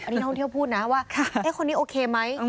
นี่นักท่องเที่ยวพูดนะว่าคนนี้โอเคไหม